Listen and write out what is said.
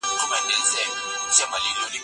لارښود باید شاګرد ته د موضوع په اړه ووایي.